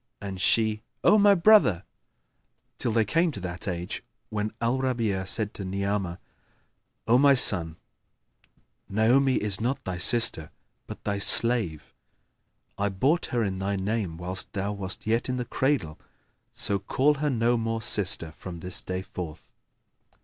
and she, "O my brother!", till they came to that age when Al Rabi'a said to Ni'amah, "O my son, Naomi is not thy sister but thy slave. I bought her in thy name whilst thou wast yet in the cradle; so call her no more sister from this day forth."